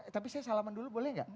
tapi saya salaman dulu boleh nggak